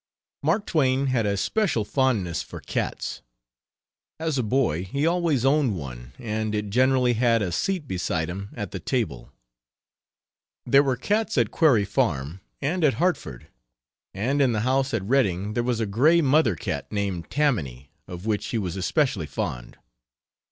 Mark Twain had a special fondness for cats. As a boy he always owned one and it generally had a seat beside him at the table. There were cats at Quarry Farm and at Hartford, and in the house at Redding there was a gray mother cat named Tammany, of which he was especially fond.